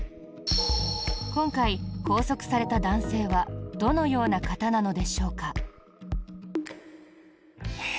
今回拘束された男性はどのような方なのでしょうか。